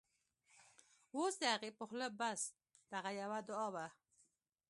اوس د هغې په خوله بس، دغه یوه دعاوه